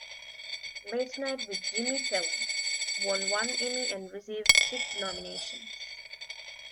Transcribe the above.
"Late Night with Jimmy Fallon" won one Emmy and received six nominations.